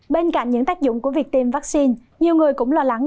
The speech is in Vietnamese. bên cạnh những tác dụng của việc tiêm vaccine nhiều người cũng lo lắng